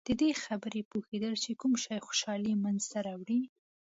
د دې خبرې پوهېدل چې کوم شی خوشحالي منځته راوړي.